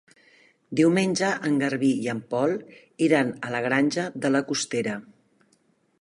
Diumenge en Garbí i en Pol iran a la Granja de la Costera.